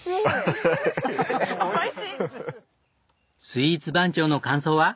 スイーツ番長の感想は？